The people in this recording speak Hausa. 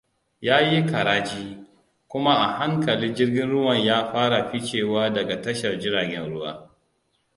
Yayi karaji, kuma a hankali jirgin ruwan ya fara ficewa daga tashar jiragen ruwa.